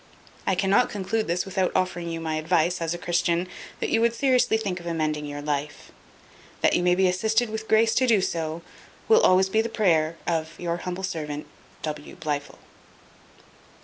I cannot conclude this without offering you my advice, as a Christian, that you would seriously think of amending your life. That you may be assisted with grace so to do, will be always the prayer of "Your humble servant, "W. BLIFIL."